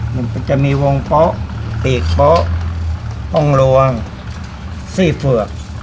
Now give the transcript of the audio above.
มันก็จะมีวงโป๊อปีกโป๊อองลวงซี่ฝือก